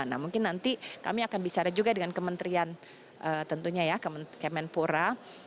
nah mungkin nanti kami akan bicara juga dengan kementerian tentunya ya kemenpora